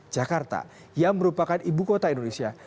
jakarta yang merupakan ibu kota indonesia